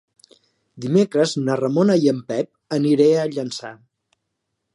Dimecres na Ramona i en Pep aniré a Llançà.